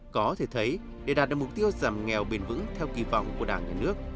có thể thấy để đạt được mục tiêu giảm nghèo bền vững theo kỳ vọng của đảng nhà nước